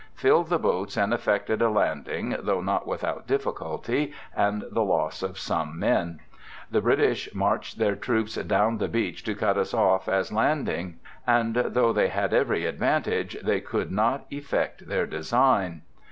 Filled the boats and effected a landing, though not without difficulty and the loss of some men. The British marched their troops down the beach to cut us off as landing, and, though N 2 i8o BIOGRAPHICAL ESSAYS they had every advantage, they could not effect their design.